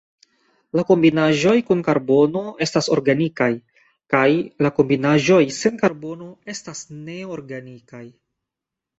La kombinaĵoj kun karbono estas organikaj, kaj la kombinaĵoj sen karbono estas neorganikaj.